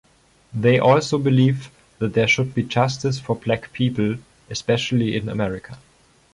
They also believe that there should be justice for black people especially in America.